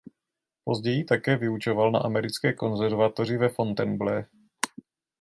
Později také vyučoval na Americké konzervatoři ve Fontainebleau.